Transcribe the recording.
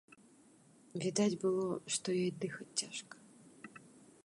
Відаць было, што ёй дыхаць цяжка.